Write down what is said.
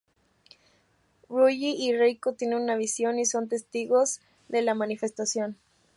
Ryuji y Reiko tienen una visión y son testigos de la manifestación.